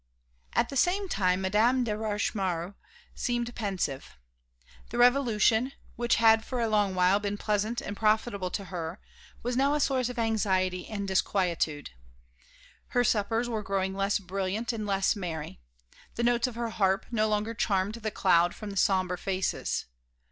At the same time Madame de Rochemaure seemed pensive. The Revolution, which had for a long while been pleasant and profitable to her, was now a source of anxiety and disquietude; her suppers were growing less brilliant and less merry. The notes of her harp no longer charmed the cloud from sombre faces.